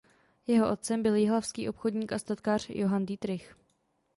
Jeho otcem byl jihlavský obchodník a statkář Johann Dietrich.